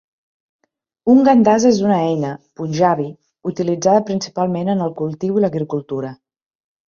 Un "Gandasa" és una eina, "Punjabi", utilitzada principalment en el cultiu i l'agricultura.